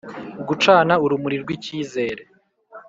Gucana urumuri rw icyizere